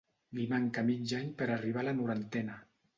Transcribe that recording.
Li manca mig any per a arribar a la norantena.